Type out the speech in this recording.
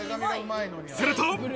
すると。